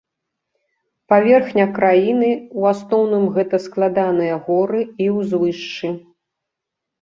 Паверхня краіны ў асноўным гэта складаныя горы і ўзвышшы.